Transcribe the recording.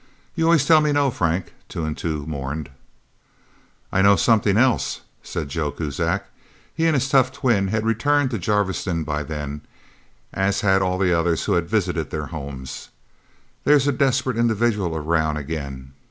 "You always tell me no, Frank," Two and Two mourned. "I know something else," said Joe Kuzak he and his tough twin had returned to Jarviston by then, as had all the others who had visited their homes. "There's a desperate individual around, again.